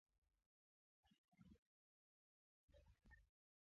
Obudde bw'ali bwa nnaakalyakoani.